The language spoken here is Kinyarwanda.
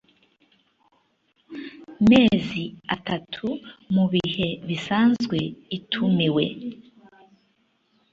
mezi atatu mu bihe bisanzwe itumiwe